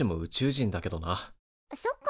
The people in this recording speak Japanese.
そっか。